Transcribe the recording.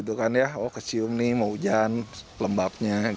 oh kecium nih mau hujan lembabnya